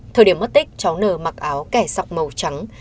thời điểm mất tích cháu nờ mặc áo kẻ sọc màu trắng